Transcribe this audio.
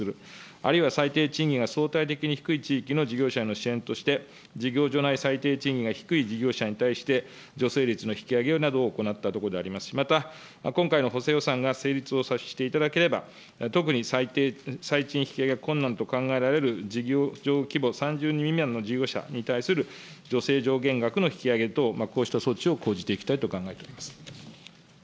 あるいは最低低賃金が相対的に低い地域の事業者への支援として、事業所内最低低賃金が低い事業者に対して、助成率の引き上げなどを行ったところでありますし、また今回の補正予算が成立をさせていただければ、特に最賃引き上げ困難と考えられる、じぎょうじょう規模３０人未満の事業者に対する助成上限額の引き上げと、こうした措置を講じていきたいと考えております。